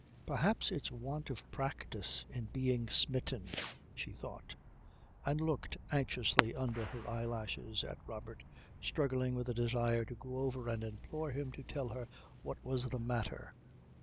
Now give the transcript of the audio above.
"Perhaps it's want of practice in being smitten," she thought; and looked anxiously under her eyelashes at Robert, struggling with a desire to go over and implore him to tell her what was the matter.